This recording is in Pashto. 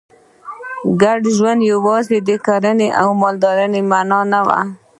ګډ ژوند یوازې د کرنې او مالدارۍ په معنا نه و.